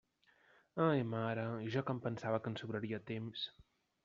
Ai mare, i jo que em pensava que ens sobraria temps.